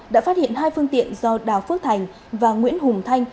đã phát hiện hai phương tiện do đào phước thành và nguyễn hùng thanh